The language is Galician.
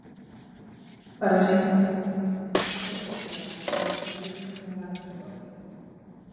Para o sindicato, os criterios empregados polo goberno galego non gardan proporción.